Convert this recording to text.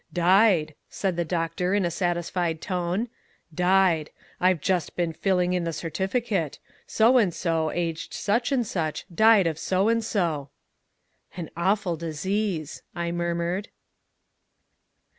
"Died," said the doctor, in a satisfied tone. "Died. I've just been filling in the certificate: So and so, aged such and such, died of so and so!" "An awful disease," I murmured.